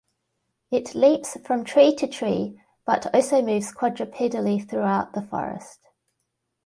It leaps from tree to tree but also moves quadrupedally throughout the forest.